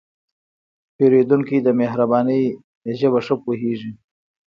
پیرودونکی د مهربانۍ ژبه ښه پوهېږي.